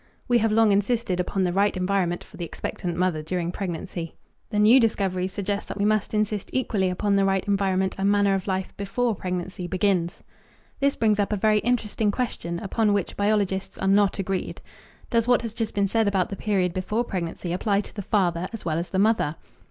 We have long insisted upon the right environment for the expectant mother during pregnancy. The new discoveries suggest that we must insist equally upon the right environment and manner of life before pregnancy begins. This brings up a very interesting question upon which biologists are not agreed. Does what has just been said about the period before pregnancy apply to the father as well as the mother?